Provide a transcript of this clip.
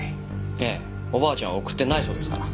ええおばあちゃんは送ってないそうですから。